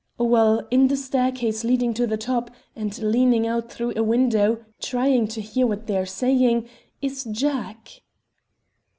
"Well, in the staircase leading to the top, and leaning out through a window, trying to hear what they are saying, is Jack!"